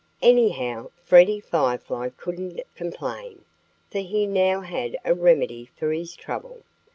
Anyhow, Freddie Firefly couldn't complain, for he now had a remedy for his trouble.